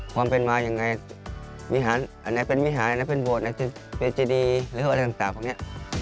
ความเป็นมายังไงวิหารอันไหนเป็นวิหารอันไหนเป็นโบสถไหนเป็นเจดีหรืออะไรต่างพวกนี้